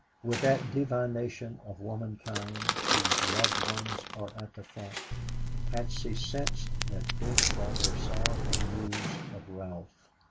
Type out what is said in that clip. With that divination of womankind whose loved ones are at the front, Patsy sensed that Dick brought her sorrowful news of Ralph.